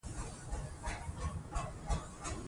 رضا پهلوي اوس پنځه اویا کلن دی.